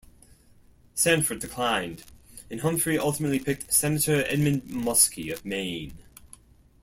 Sanford declined, and Humphrey ultimately picked Senator Edmund Muskie of Maine.